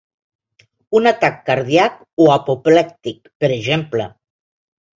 Un atac cardíac o apoplèctic, per exemple.